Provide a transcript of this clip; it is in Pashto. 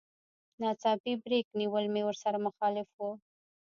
ناڅاپي بريک نيول مې ورسره مخالف و.